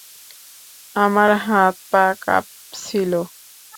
আমার হাত পা কাঁপছিল।